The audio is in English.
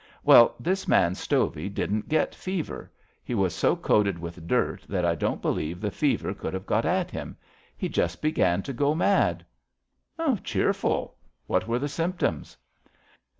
Well, this man Stovey didn't get fever. He was so coated with dirt that I don't believe the fever could have got at him. He just began to go mad." Cheerful! What were the symptoms?